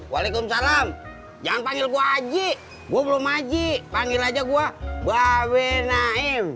waalaikumsalam jangan panggil gua aji gua belum aji panggil aja gua bawe naim